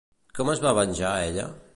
Com es va venjar ella?